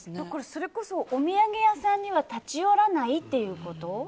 それこそお土産屋さんには立ち寄らないってこと？